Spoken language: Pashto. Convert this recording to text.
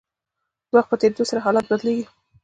د وخت په تیریدو سره حالات بدلیږي.